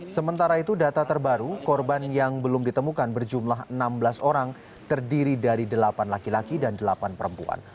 sementara itu data terbaru korban yang belum ditemukan berjumlah enam belas orang terdiri dari delapan laki laki dan delapan perempuan